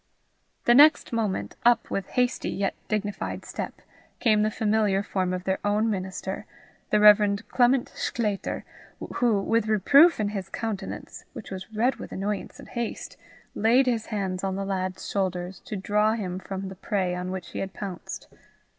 The next moment, up, with hasty yet dignified step, came the familiar form of their own minister, the Rev. Clement Sclater, who, with reproof in his countenance, which was red with annoyance and haste, laid his hands on the lad's shoulders to draw him from the prey on which he had pounced.